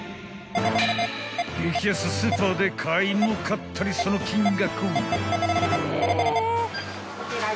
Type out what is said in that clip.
［激安スーパーで買いも買ったりその金額］